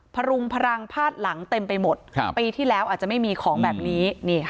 พรุงพลังพาดหลังเต็มไปหมดปีที่แล้วอาจจะไม่มีของแบบนี้